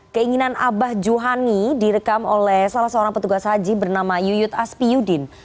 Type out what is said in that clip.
keinginan abah johani direkam oleh salah seorang petugas haji bernama yuyut aspi yudin